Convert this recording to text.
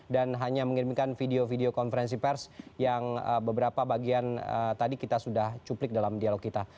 dan hanya mengirimkan video video konferensi pers yang beberapa bagian tadi kita sudah cuplik dalam dialog kita